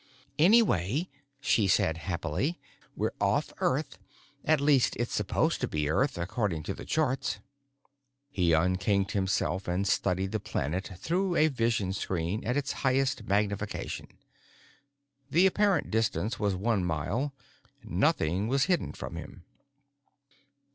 "Anyway," she said happily, "we're off Earth. At least, it's supposed to be Earth, according to the charts." He unkinked himself and studied the planet through a vision screen at its highest magnification. The apparent distance was one mile; nothing was hidden from him.